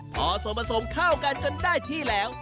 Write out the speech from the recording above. พอส่วนผสมเข้ากันจนได้ที่แล้ว